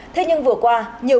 thế nhưng vừa qua